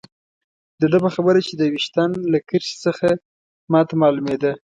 د ده په خبره چې د ویشتن له کرښې څخه ما ته معلومېده.